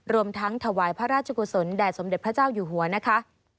รวมทั้งถวายพระราชกุศลแด่สมเด็จพระเจ้าอยู่หัวนะคะ